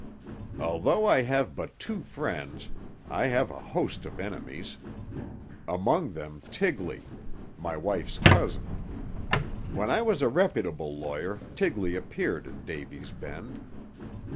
"Although I have but two friends, I have a host of enemies. Among them Tigley. My wife's cousin. When I was a reputable lawyer, Tigley appeared in Davy's Bend.